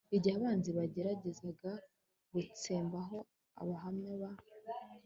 Igihe Abanazi bageragezaga gutsembaho Abahamya ba